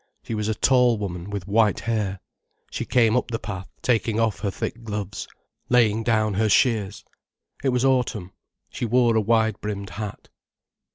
She was a tall woman with white hair. She came up the path taking off her thick gloves, laying down her shears. It was autumn. She wore a wide brimmed hat.